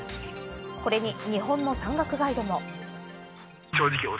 これに、日本の山岳ガイドも。